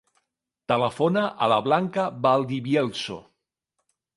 Telefona a la Blanca Valdivielso.